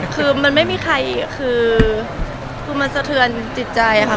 คือมันไม่มีใครคือมันสะเทือนจิตใจค่ะ